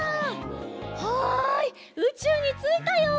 はいうちゅうについたよ。